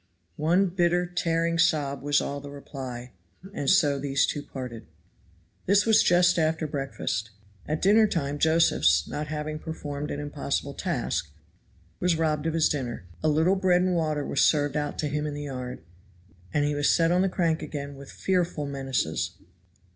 One bitter tearing sob was all the reply. And so these two parted. This was just after breakfast. At dinner time Josephs, not having performed an impossible task, was robbed of his dinner. A little bread and water was served out to him in the yard, and he was set on the crank again with fearful menaces.